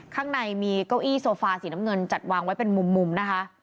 ข้างในมีเก้าอี้โซฟาสีน้ำเงินจัดวางไว้เป็นมุมนะคะ